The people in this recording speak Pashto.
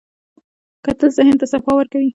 کتل ذهن ته صفا ورکوي